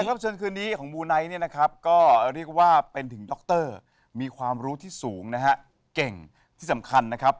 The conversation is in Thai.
รับเชิญคืนนี้ของมูไนท์เนี่ยนะครับก็เรียกว่าเป็นถึงดรมีความรู้ที่สูงนะฮะเก่งที่สำคัญนะครับ